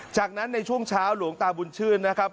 จากนั้นในช่วงเช้าหลวงตาบุญชื่นนะครับ